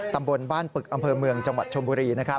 ตำบลบ้านปึกอำเภอเมืองจังหวัดชมบุรี